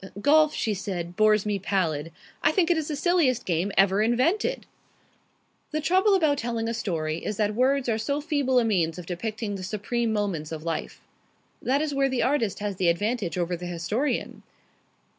"Golf," she said, "bores me pallid. I think it is the silliest game ever invented!" The trouble about telling a story is that words are so feeble a means of depicting the supreme moments of life. That is where the artist has the advantage over the historian.